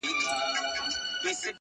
سهاد معلوم سو په لاسونو کي گړۍ نه غواړم-